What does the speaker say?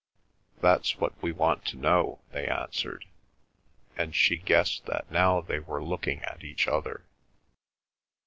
"That's what we want to know," they answered, and she guessed that now they were looking at each other.